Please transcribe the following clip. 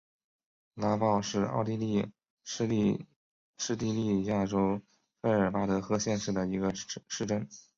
拉鲍是奥地利施蒂利亚州费尔德巴赫县的一个市镇。